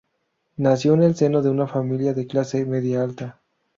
Nació en el seno de una familia de clase media alta.